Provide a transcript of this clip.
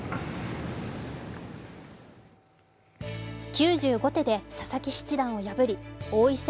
９５手で佐々木七段を破り王位戦